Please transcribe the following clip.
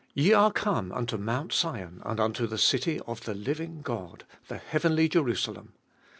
Ye are come unto Mount Sion, and unto the city of the living God, the heavenly Jerusalem.